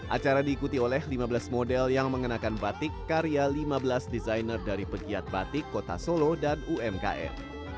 acara diikuti oleh lima belas model yang mengenakan batik karya lima belas desainer dari pegiat batik kota solo dan umkm